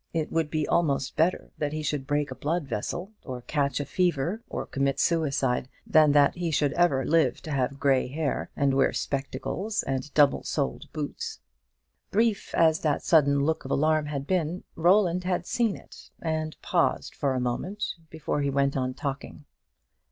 It would be almost better that he should break a blood vessel, or catch a fever, or commit suicide, than that he should ever live to have grey hair, and wear spectacles and double soled boots. Brief as that sudden look of alarm had been, Roland had seen it, and paused for a moment before he went on talking.